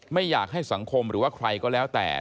ไม่อยากให้สังคมหรือว่าใครก็แล้วแต่